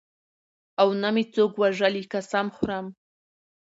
او نه مې څوک وژلي قسم خورم.